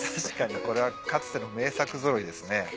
確かにこれはかつての名作揃いですね。